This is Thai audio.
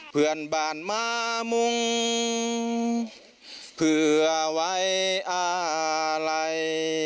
เพื่อนบ้านมามุ่งเพื่อไว้อาลัย